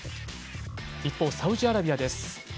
一方、サウジアラビアです。